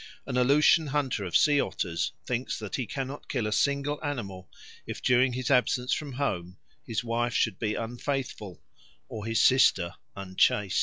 An Aleutian hunter of sea otters thinks that he cannot kill a single animal if during his absence from home his wife should be unfaithful or his sister unchaste.